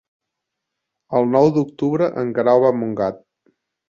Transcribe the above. El nou d'octubre en Guerau va a Montgat.